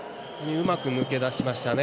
うまく抜け出しましたね。